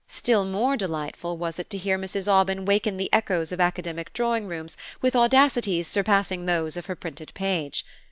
Still more delightful was it to hear Mrs. Aubyn waken the echoes of academic drawing rooms with audacities surpassing those of her printed page.